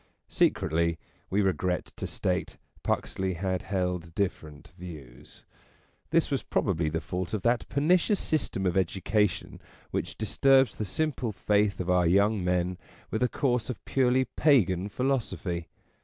Secretly, we regret to state, Puxley had held different views. This was probably the fault of that pernicious system of edu cation which disturbs the simple faith of our young men with a course of purely Pagan philosophy.